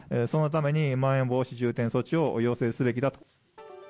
そのために、まん延防止重点措置を要請すべきだと。